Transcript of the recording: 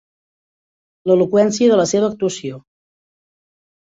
L'eloqüència de la seva actuació.